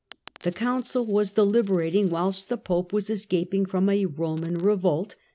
The Rome re Council was deliberating whilst the Pope was escap ^gaiust ing from a Roman revolt.